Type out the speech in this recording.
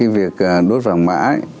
việc đốt vàng mã